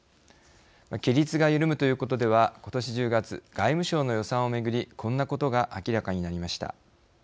規律が緩むということではことし１０月外務省の予算をめぐりこんなことが明らかになりました。